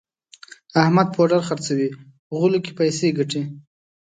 احمد پوډر خرڅوي غولو کې پیسې ګټي.